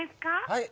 はい。